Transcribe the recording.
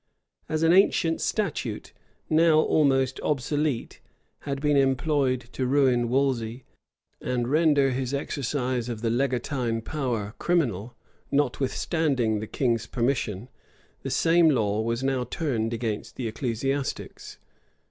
As an ancient statute, now almost obsolete, had been employed to ruin Wolsey, and render his exercise of the legatine power criminal, notwithstanding the king's permission, the same law was now turned against the ecclesiastics.